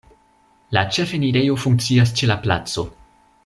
La ĉefenirejo funkcias ĉe la placo.